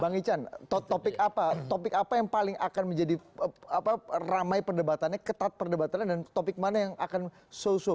bang ican topik apa topik apa yang paling akan menjadi ramai perdebatannya ketat perdebatannya dan topik mana yang akan so so